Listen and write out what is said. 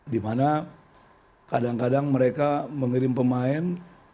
dimana kadang kadang mereka mengirim pemain